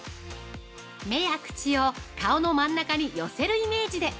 ◆目や口を顔の真ん中に寄せるイメージで！